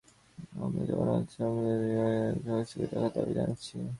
আমরা জগন্নাথ বিশ্ববিদ্যালয়ের সাম্প্রতিক নিয়োগের বিষয়টি তদন্ত করা এবং স্থগিত রাখার দাবি জানাচ্ছি।